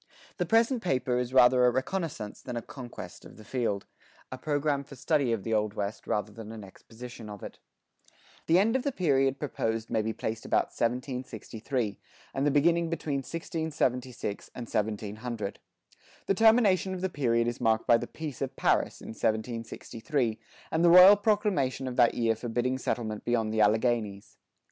The present paper is rather a reconnaissance than a conquest of the field, a program for study of the Old West rather than an exposition of it. The end of the period proposed may be placed about 1763, and the beginning between 1676 and 1700. The termination of the period is marked by the Peace of Paris in 1763, and the royal proclamation of that year forbidding settlement beyond the Alleghanies.